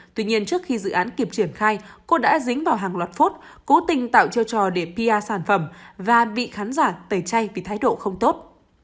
tuy nhiên trước khi dự án kịp triển khai cô đã dính vào hàng loạt phút cố tình tạo treo trò để pia sản phẩm và bị khán giả tẩy chay vì thái độ không tốt